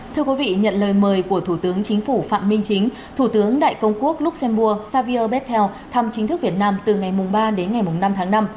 thưa quý vị nhận lời mời của thủ tướng chính phủ phạm minh chính thủ tướng đại công quốc luxembourg savio bettel thăm chính thức việt nam từ ngày ba đến ngày năm tháng năm